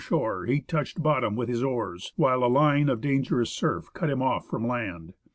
shore he touched bottom with his oars, while a line of dangerous surf cut him off from land.